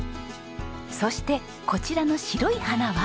そしてこちらの白い花は。